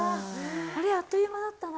あっという間だったな。